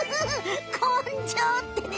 こんじょうってね！